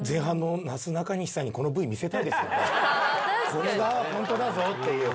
これがホントだぞっていう。